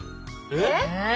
えっ？